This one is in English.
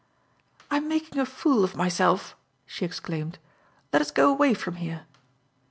"I am making a fool of myself," she exclaimed. "Let us go away from here."